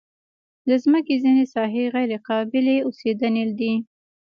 د مځکې ځینې ساحې غیر قابلې اوسېدنې دي.